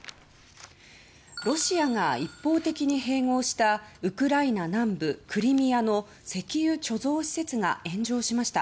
ロシアが一方的に併合したウクライナ南部クリミアの石油貯蔵施設が炎上しました。